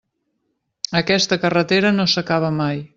Aquesta carretera no s'acaba mai.